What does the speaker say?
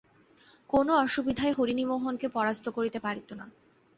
কোনো অসুবিধায় হরিমোহিনীকে পরাস্ত করিতে পারিত না।